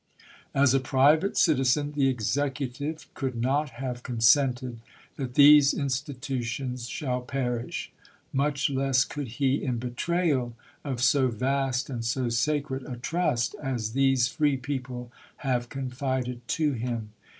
.. As a private citizen, the Executive could not have con sented that these institutions shall perish; much less could he, in betrayal of so vast and so sacred a trust as these free people have confided to him.